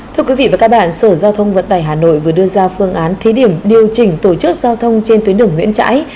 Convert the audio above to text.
thưa quý vị và các bạn sở giao thông vận tải hà nội vừa đưa ra phương án thí điểm điều chỉnh tổ chức giao thông trên tuyến đường nguyễn trãi